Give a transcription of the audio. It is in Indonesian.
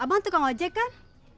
abang tukang ojek kan